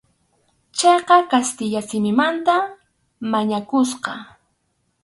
Chayqa kastilla simimanta mañakusqa.